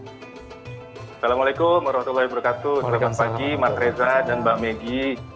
assalamualaikum warahmatullahi wabarakatuh selamat pagi mas reza dan mbak megi